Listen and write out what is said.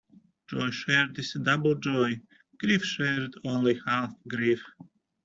Joy shared is double joy; grief shared is only half grief.